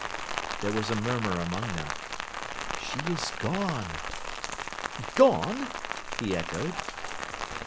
There was a murmur among them. 'She is gone.' 'Gone!' he echoed.